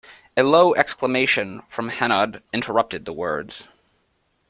A low exclamation from Hanaud interrupted the words.